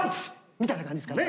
みたいな感じですかね。